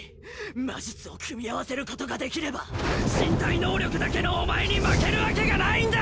魔術を組み合わせることができれば身体能力だけのお前に負けるわけがないんだ！